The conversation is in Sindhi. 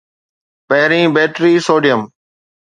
پهرين بيٽري سوڊيم